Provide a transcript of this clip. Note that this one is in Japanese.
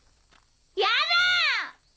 やだ！